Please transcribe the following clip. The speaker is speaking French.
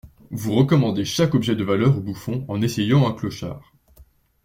Vous recommandez chaque objet de valeur au bouffon en essayant un clochard.